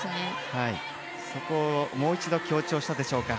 そこをもう一度強調したでしょうか。